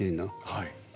はい。